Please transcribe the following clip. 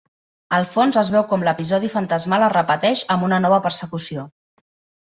Al fons es veu com l'episodi fantasmal es repeteix amb una nova persecució.